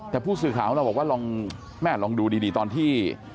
แต่ผู้สื่อข่าวเราบอกว่าลองดูดีตอนที่